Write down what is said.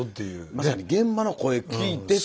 まさに現場の声聞いてっていう。